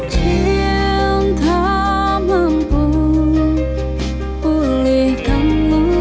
cinta mampu pulihkan luka